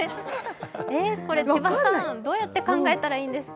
これ、どうやって考えたらいいんですか？